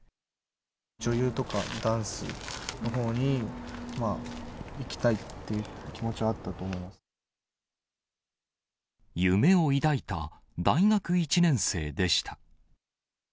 女優とかダンスのほうにいきたいっていう気持ちはあったと思夢を抱いた大学１年生でした。